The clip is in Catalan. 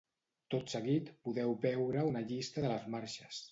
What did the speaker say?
Tot seguit podeu veure una llista de les marxes.